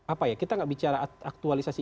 apa ya kita nggak bicara aktualisasi